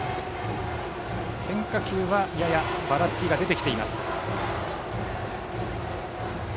変化球はやや、ばらつきが出てきています。